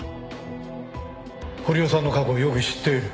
堀尾さんの過去をよく知っている。